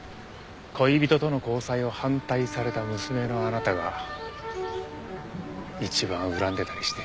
恋人との交際を反対された娘のあなたが一番恨んでたりして。